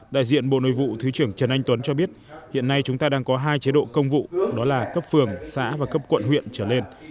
đại diện bộ nội vụ thứ trưởng trần anh tuấn cho biết hiện nay chúng ta đang có hai chế độ công vụ đó là cấp phường xã và cấp quận huyện trở lên